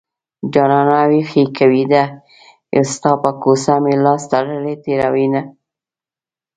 جانانه ويښ يې که ويده يې ستا په کوڅه مې لاس تړلی تېروينه